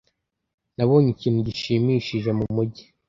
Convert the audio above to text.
Nabonye ikintu gishimishije mumujyi.